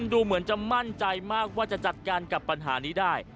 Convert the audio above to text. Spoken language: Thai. ดูเหมือนจะมั่นใจมากว่าจะจัดการกับปัญหานี้ได้